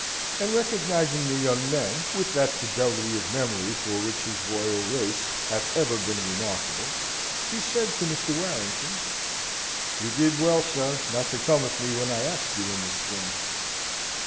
And, recognising the young men, with that fidelity of memory for which his Royal race hath ever been remarkable, he said to Mr. Warrington: "You did well, sir, not to come with me when I asked you in the spring."